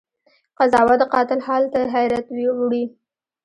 قضاوت د قاتل حال ته حيرت وړی